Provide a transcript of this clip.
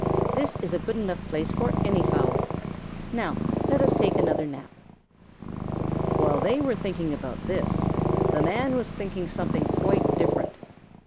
This is a good enough place for any fowl. Now let us take another nap." While they were thinking this, the Man was thinking something quite different.